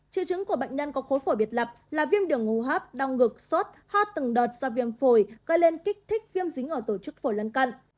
triệu chứng của bệnh nhân có khối phổi biệt lập là viêm đường hô hấp đau ngực sốt ho từng đợt do viêm phổi gây lên kích thích viêm dính ở tổ chức phổi lân cận